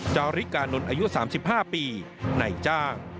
จาริกานนท์อายุ๓๕ปีในจ้าง